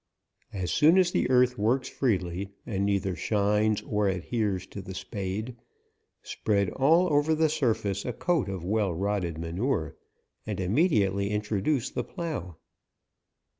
As soon as the earth works freely, and neither shines or adheres to the spado, spread all over the surface, a coat of well rotted manure, and immediately introduce the plough.